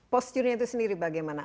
posturnya itu sendiri bagaimana